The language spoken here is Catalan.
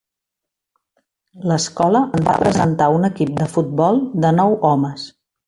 L'escola va presentar un equip de futbol de nou homes.